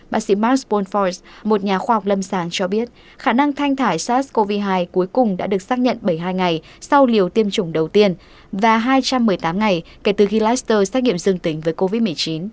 bác sĩ marspon fource một nhà khoa học lâm sàng cho biết khả năng thanh thải sars cov hai cuối cùng đã được xác nhận bảy mươi hai ngày sau liều tiêm chủng đầu tiên và hai trăm một mươi tám ngày kể từ khi laster xét nghiệm dương tính với covid một mươi chín